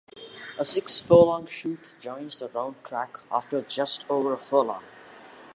A six furlong chute joins the round track after just over a furlong.